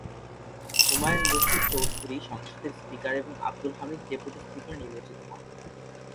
হুমায়ূন রশীদ চৌধুরী সংসদের স্পিকার এবং Abdul Hamid deputy speaker নির্বাচিত হন।